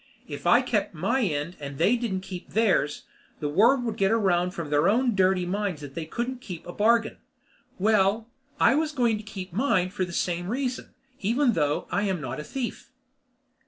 If I kept my end and they didn't keep theirs, the word would get around from their own dirty minds that they couldn't keep a bargain. Well, I was going to keep mine for the same reason, even though I am not a thief.